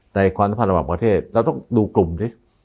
ในความสำคัญระหว่างประเทศเราต้องดูกลุ่มนี่